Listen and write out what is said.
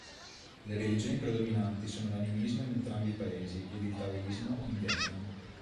Le religioni predominanti sono l'Animismo in entrambi i paesi ed il Taoismo in Vietnam.